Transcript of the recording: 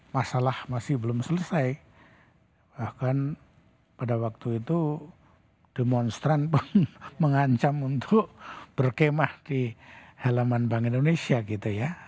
masalah masih belum selesai bahkan pada waktu itu demonstran pun mengancam untuk berkemah di halaman bank indonesia gitu ya